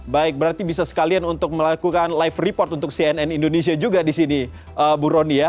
baik berarti bisa sekalian untuk melakukan live report untuk cnn indonesia juga di sini bu roni ya